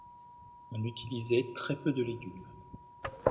On utilisait très peu de légumes.